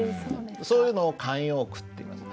そういうのを慣用句っていいます。